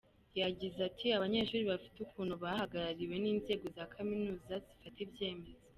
Yagize ati “Abanyeshuri bafite ukuntu bahagarariwe n’inzego za Kaminuza zifata ibyemezo.